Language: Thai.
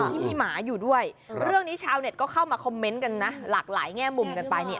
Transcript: ที่มีหมาอยู่ด้วยเรื่องนี้ชาวเน็ตก็เข้ามาคอมเมนต์กันนะหลากหลายแง่มุมกันไปเนี่ย